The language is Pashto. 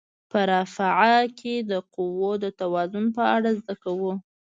په رافعه کې د قوو د توازن په اړه زده کوو.